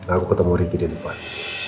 aku ketemu ricky di depan